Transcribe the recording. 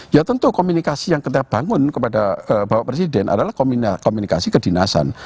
ya tentu komunikasi yang kita bangun kepada bapak presiden adalah komunikasi kedinasan